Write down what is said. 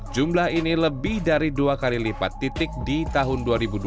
jumlah ini lebih dari dua kali lipat titik di tahun dua ribu dua puluh